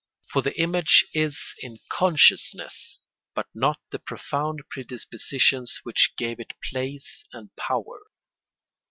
For the image is in consciousness, but not the profound predispositions which gave it place and power.